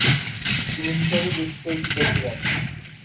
তিনি হিসাবে বেশি পরিচিত ছিলেন।